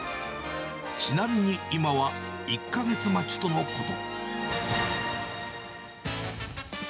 ちなみに今は１か月待ちとのこと。